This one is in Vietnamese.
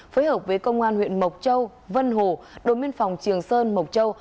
phối hợp với công an huyện mộc châu vân hồ đội biên phòng trường sơn mộc châu